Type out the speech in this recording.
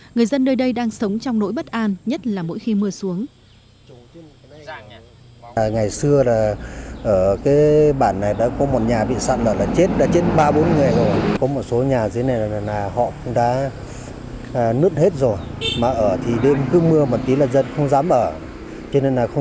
người dân nơi đây đang sống trong nỗi bất an nhất là mỗi khi mưa xuống